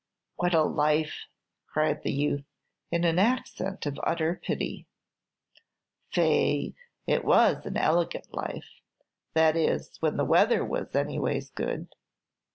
"What a life!" cried the youth, in an accent of utter pity. "Faix, it was an elegant life, that is, when the weather was anyways good.